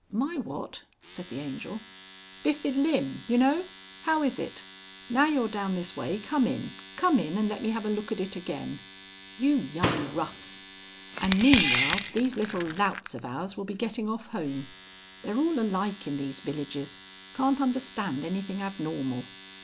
"My what?" said the Angel. "Bifid limb, you know. How is it? Now you're down this way, come in. Come in and let me have a look at it again. You young roughs! And meanwhile these little louts of ours will be getting off home. They're all alike in these villages. Can't understand anything abnormal.